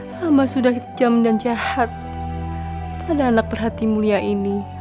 hamba sudah sejam dan jahat pada anak berhati mulia ini